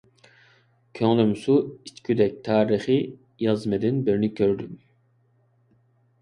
كۆڭلۈم سۇ ئىچكۈدەك تارىخىي يازمىدىن بىرنى كۆردۈم.